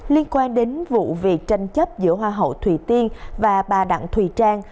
liên quan đến vụ việc tranh chấp giữa hoa hậu thùy tiên và bà đặng thùy trang